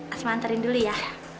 asma anterin dulu ya